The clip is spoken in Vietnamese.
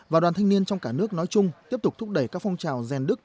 và đoàn thanh niên trong cả nước nói chung tiếp tục thúc đẩy các phong trào rèn đức